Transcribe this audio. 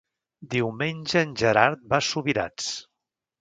Diumenge en Gerard va a Subirats.